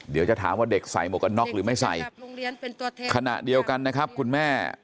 เดี๋ยวจะถามว่าเด็กใส่หมวกกันน็อกหรือไม่ใส่ขณะเดียวกันนะครับคุณแม่